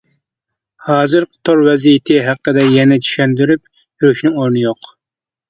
ھازىرقى تور ۋەزىيىتى ھەققىدە يەنە چۈشەندۈرۈپ يۈرۈشنىڭ ئورنى يوق.